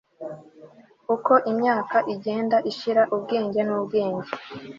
uko imyaka igenda ishira ubwenge n'ubwenge